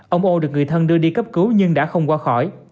ông o được người thân đưa đi cấp cứu nhưng đã không qua khỏi